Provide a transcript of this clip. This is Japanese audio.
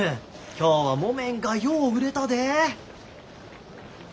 今日は木綿がよう売れたで。